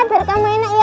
terima kasih pak